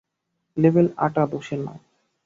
Label আঁটা দোষের নয়।